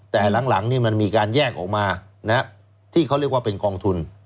แต่หลังมันมีการแยกออกมาที่เขาเรียกว่าเป็นกองทุน